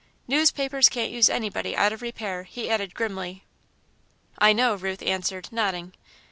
Newspapers can't use anybody out of repair," he added, grimly. "I know," Ruth answered, nodding.